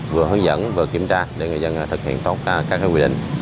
vừa hướng dẫn vừa kiểm tra để người dân thực hiện tốt các quy định